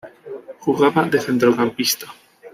Jugaba de centrocampista.